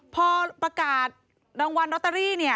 พอประกาศรางวัลลอตเตอรี่